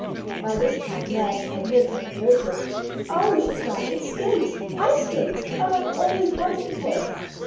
By this time Mab had her package open. "Oh!" she cried. "It's skates! Ice skates! Oh, I've always wanted a pair!"